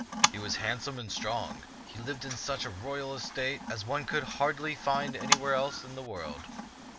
He was handsome and strong, and he lived in such royal state as one could hardly find anywhere else in the world.